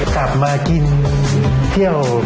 กลับมากินเที่ยว